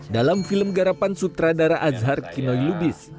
dalam film garapan sutradara azhar kinoi lubis